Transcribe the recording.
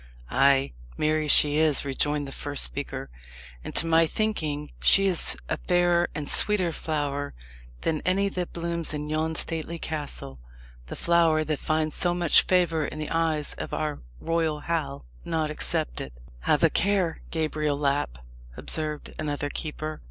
"Ay, marry is she," rejoined the first speaker; "and, to my thinking, she is a fairer and sweeter flower than any that blooms in yon stately castle the flower that finds so much favour in the eyes of our royal Hal not excepted." "Have a care, Gabriel Lapp," observed another keeper.